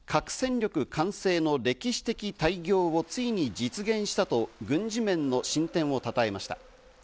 その上で、核戦力完成の歴史的大業をついに実現したと軍事面の進展をたたえました。